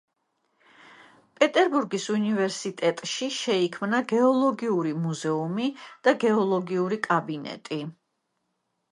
პეტერბურგის უნივერსიტეტში შექმნა გეოლოგიური მუზეუმი და გეოლოგიური კაბინეტი.